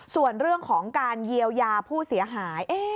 ส่วนเรื่องของการเยียวยาผู้เสียหาย